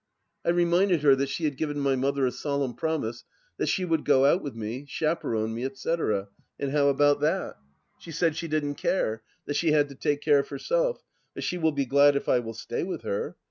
I reminded her that she had given my mother a solemn promise that she would go out with me, chaperon me, etc., and how about that ? She said she didn't care, that she had to take care of herself, but she will be glad if I will stay with her.